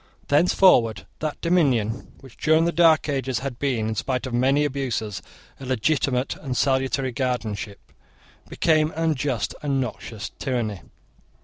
Thenceforward that dominion, which, during the dark ages, had been, in spite of many abuses, a legitimate and salutary guardianship, became an unjust and noxious tyranny.